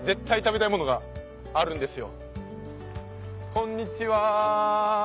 こんにちは。